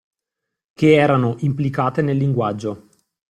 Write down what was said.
Che erano implicate nel linguaggio.